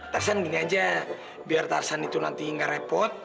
tarzan gini aja biar tarzan itu nanti gak repot